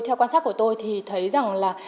theo quan sát của tôi thì thấy rằng là